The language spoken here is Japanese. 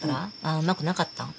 あうまくなかったん？